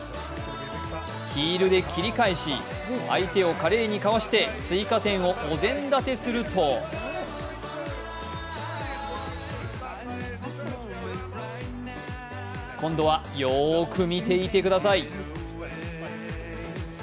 ヒールで切り返し、相手を華麗にかわして追加点をお膳立てすると今度はよーく見ていてください。